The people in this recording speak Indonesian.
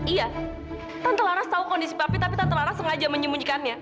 iya tante laras tahu kondisi papi tapi tante laras sengaja menyembunyikannya